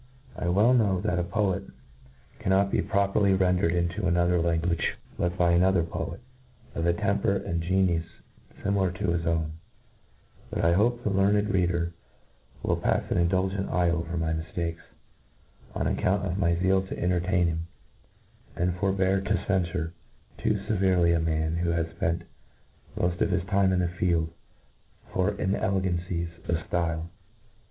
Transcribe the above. I well knoW^that a poet cannot be properly rendered into another lan guage, but by another poet, of a temper and genius fimilar to his own j but I hope the learn ed reader will pafe an indulgent eye over my miftakes, on account of my zeal to entertain him, and forbear, to cenfure too feverely a man who has fpent moft of his time in the field, for inelegancies of ftile.